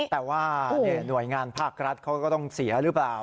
แต่ว่าหน่วยงานภาครัฐเขาก็ต้องเสียหรือเปล่า